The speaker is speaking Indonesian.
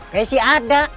kayaknya sih ada